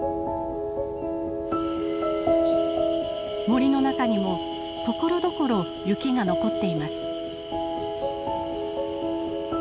森の中にもところどころ雪が残っています。